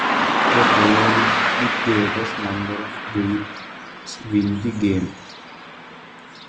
The player with the greatest number of beads wins the game.